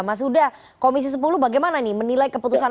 mas huda komisi sepuluh bagaimana nih menilai keputusan